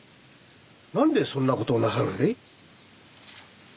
何でそんな事をなさるんで？